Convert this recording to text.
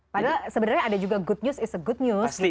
padahal sebenarnya ada juga good news is a good news